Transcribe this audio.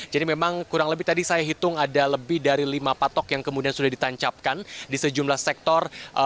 jadi memang kurang lebih tadi saya hitung ada lebih dari lima patok yang kemudian sudah ditancapkan di sejumlah sektor